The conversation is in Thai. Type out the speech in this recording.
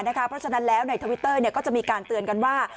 เพราะฉะนั้นแล้วเทอวิเตอร์ก็จะมีการเป็นการเตือนกันว่า